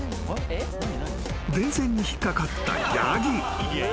［電線に引っ掛かったヤギ］